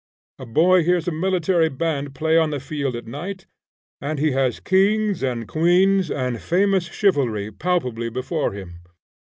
A boy hears a military band play on the field at night, and he has kings and queens and famous chivalry palpably before him.